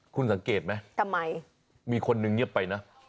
คุณสังเกตไหมมีคนนึงเงียบไปนะ